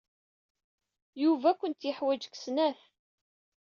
Yuba ad tent-yeḥwij deg snat.